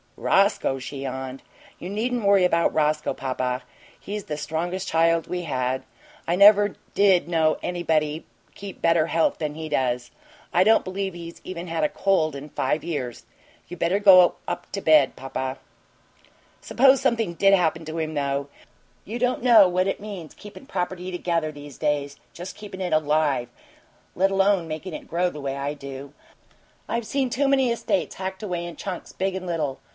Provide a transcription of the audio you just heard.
"Roscoe?" she yawned. "You needn't worry about Roscoe, papa. He's the strongest child we had. I never did know anybody keep better health than he does. I don't believe he's even had a cold in five years. You better go up to bed, papa." "Suppose something DID happen to him, though. You don't know what it means, keepin' property together these days just keepin' it ALIVE, let alone makin' it grow the way I do. I've seen too many estates hacked away in chunks, big and little.